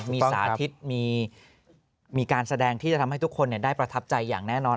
มีสาธิตมีการแสดงที่จะทำให้ทุกคนได้ประทับใจอย่างแน่นอน